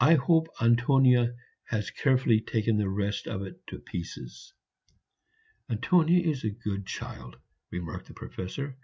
I hope Antonia has carefully taken the rest of it to pieces." "Antonia is a good child," remarked the Professor.